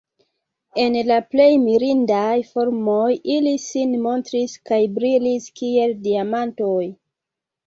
En la plej mirindaj formoj ili sin montris kaj brilis kiel diamantoj.